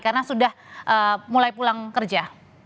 karena sudah mulai pulang kerja